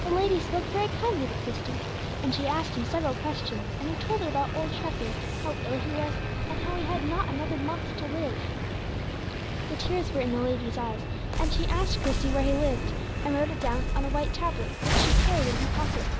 The lady spoke very kindly to Christie; she asked him several questions, and he told her about old Treffy, how ill he was, and how he had not another month to live. The tears were in the lady's eyes, and she asked Christie where he lived, and wrote it down on a white tablet which she carried in her pocket.